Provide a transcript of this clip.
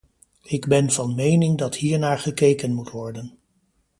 Ik ben van mening dat hiernaar gekeken moet worden.